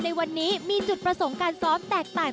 ในวันนี้มีจุดประสงค์การซ้อมแตกต่าง